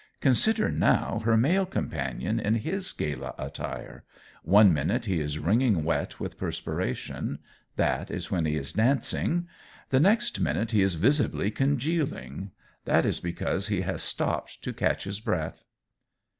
Consider now her male companion in his gala attire. One minute he is wringing wet with perspiration; that is when he is dancing. The next minute he is visibly congealing. That is because he has stopped to catch his breath.